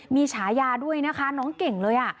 มีฉายาด้วยนะคะน้องเก่งเลย